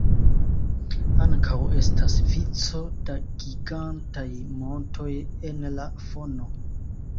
Ankaŭ estas vico da gigantaj montoj en la fono.